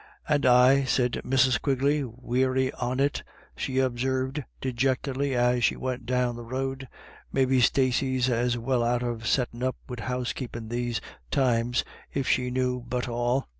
"And I," said Mrs. Quigley. "Weary on it," she observed dejectedly, as they went down the road, " maybe Stacey's as well out of settin' up wid housekeepin' these times, if she knew but all.